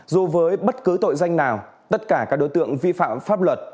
dù với bất cứ tội danh nào tất cả các đối tượng vi phạm pháp luật